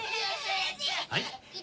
はい。